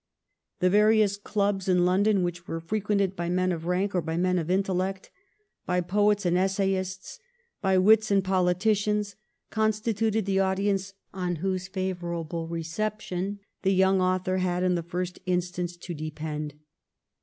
The various clubs in London which were frequented by men of rank or by men of intellect, by poets and essayists, by wits and politicians, constituted the audience on whose favourable reception the young author had in the first instance to depend.